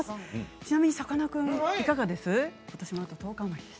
ちなみに、さかなクンいかがです？。